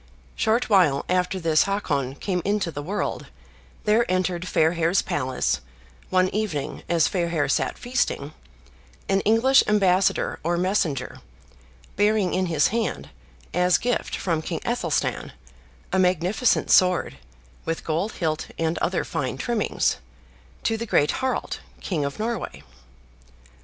Short while after this Hakon came into the world, there entered Fairhair's palace, one evening as Fairhair sat Feasting, an English ambassador or messenger, bearing in his hand, as gift from King Athelstan, a magnificent sword, with gold hilt and other fine trimmings, to the great Harald, King of Norway.